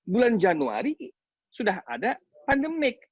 bulan januari sudah ada pandemik